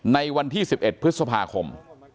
ในวันที่๑๑พฤษภาคม